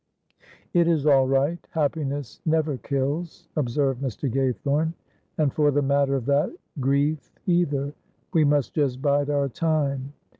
"It is all right, happiness never kills," observed Mr. Gaythorne, "and for the matter of that, grief, either. We must just bide our time."